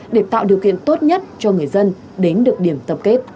để tạo điều kiện tốt nhất cho người dân đến được điểm tập kết